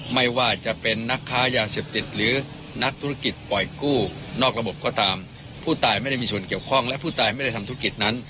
ไม่ว่าจะเป็นนักค้ายาเสพติดหรือนักธุรกิจปล่อยกู้นอกระบบก็ตามผู้ตายไม่ได้มีส่วนเกี่ยวข้องและผู้ตายไม่ได้ทำธุรกิจนั้น